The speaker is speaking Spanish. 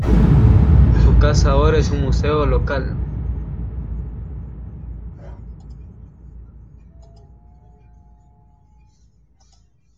Su casa ahora es un museo local.